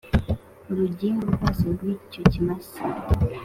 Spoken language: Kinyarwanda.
urugimbu rwose rw icyo kimasa